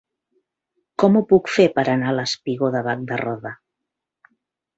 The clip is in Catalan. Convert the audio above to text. Com ho puc fer per anar al espigó de Bac de Roda?